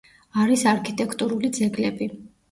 არის არქიტექტურული ძეგლები.